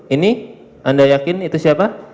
ini anda yakin itu siapa